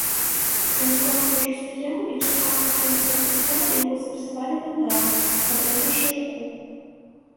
Калі помнік ужо стаяў і чакаў афіцыйнага адкрыцця, яго сапсавалі вандалы, адрэзаўшы руку.